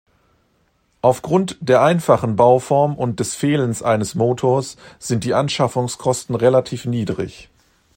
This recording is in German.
Aufgrund der einfachen Bauform und des Fehlens eines Motors sind die Anschaffungskosten relativ niedrig.